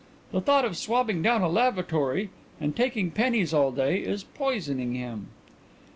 The thought of swabbing down a lavatory and taking pennies all day is poisoning him."